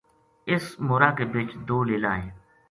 اس مورا کے بچ دو لیلا ہیں